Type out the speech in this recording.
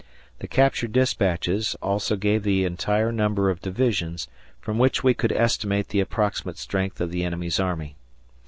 The captured despatches also gave the entire number of divisions, from which we could estimate the approximate strength of the enemy's army.